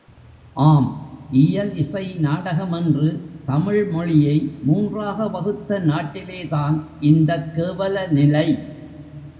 ஆம் இயல், இசை, நாடகம் என்று தமிழ்மொழியை மூன்றாக வகுத்த நாட்டிலேதான் இந்தக் கேவலநிலை.